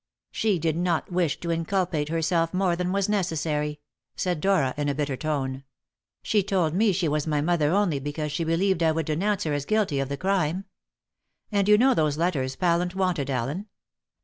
"She did not wish to inculpate herself more than was necessary," said Dora, in a bitter tone. "She told me she was my mother only because she believed I would denounce her as guilty of the crime. And you know those letters Pallant wanted, Allen?